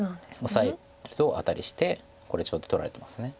オサえるとアタリしてこれちょうど取られてます。